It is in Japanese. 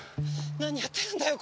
何やってるんだよ